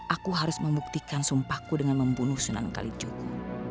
aku harus membuktikan sumpahku dengan membunuh sunan kalicuku